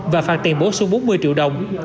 và phạt tiền bổ xuống bốn mươi triệu đồng